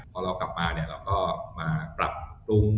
พอเรากลับมาเนี่ยเราก็มาปรับปรุง